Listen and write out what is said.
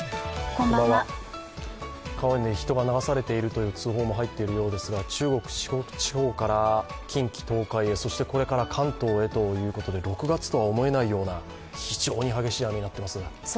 川に人が流されているという通報も入っているようですが、中国、四国、近畿、東海そしてこれから関東へということで６月とは思えないような、非常に激しい雨となっています。